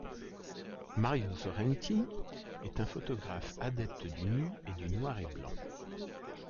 Mario Sorrenti est un photographe adepte du nu et du noir et blanc.